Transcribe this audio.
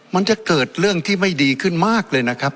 มันจะเกิดเรื่องที่ไม่ดีขึ้นมากเลยนะครับ